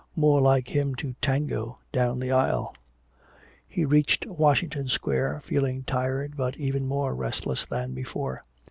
More like him to tango down the aisle! He reached Washington Square feeling tired but even more restless than before.